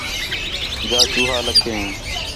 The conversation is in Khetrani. جا چوہا لَکھیں